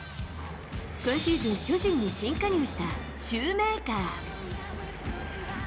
今シーズン、巨人に新加入したシューメーカー。